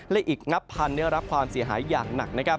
และอีกนับพันรับความเสียหายอย่างหนัก